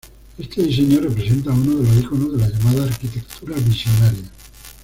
Este diseño representa uno de los iconos de la llamada arquitectura visionaria.